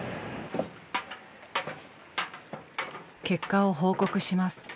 結果を報告します。